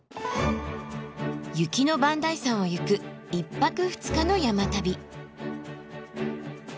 雪の磐梯山を行く１泊２日の山旅。